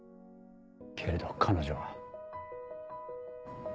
けれど彼女は。